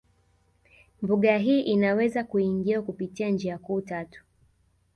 Mbuga hii inaweza kuingiwa kupitia njia kuu tatu